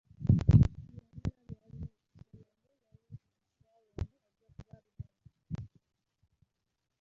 Yalina by'alina okusomamu naye nti ku ssaawa emu ajja kuba abimaze.